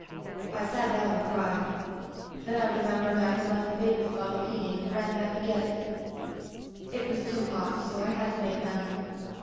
"I sat down and cried. Then I remem bered I had left the baby's bottle heating and ran back to get it. It was too hot so I had to make another.